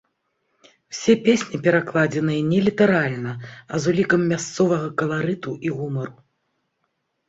Усе песні перакладзеныя не літаральна, а з улікам мясцовага каларыту і гумару.